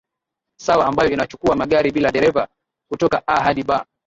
sawa ambayo inachukua magari bila dereva kutoka A hadi B